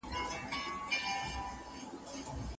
هغې مخکي لا د خپل نوي ژوند شرایط په سمه توګه هضم کړي وو.